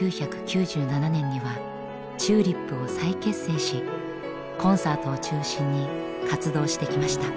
１９９７年にはＴＵＬＩＰを再結成しコンサートを中心に活動してきました。